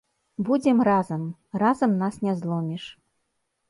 Будзем разам, разам нас не зломіш.